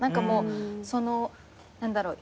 その何だろう。